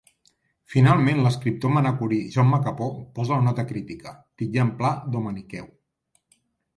Finalment l'escriptor manacorí Jaume Capó posa la nota crítica, titllant Pla d'”homeniqueu”.